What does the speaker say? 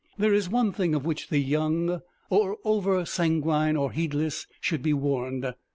There is one thing of which the young or oversanguine or heedless should be warned.